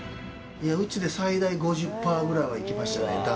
いやウチで最大５０パーぐらいはいきましたね